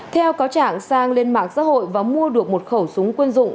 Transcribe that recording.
theo cáo trạng sang lên mạng xã hội và mua được một khẩu súng quân dụng